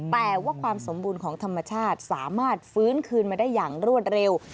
แต่ว่าความสมบูรณ์ของธรรมชาติสามารถฟื้นคืนมาได้อย่างรวดเร็ว